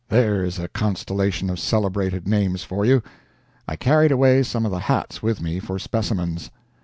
There is a constellation of celebrated names for you! I carried away some of the hats with me for specimens.